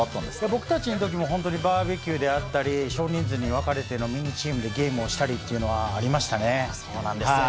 僕たちのときも本当、バーベキューであったり、少人数に分かれてのミニチームでゲームをしたりというのはありまそうなんですね。